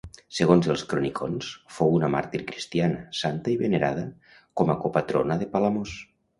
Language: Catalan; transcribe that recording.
Segons els cronicons, fou una màrtir cristiana, santa i venerada com a copatrona de Palamós.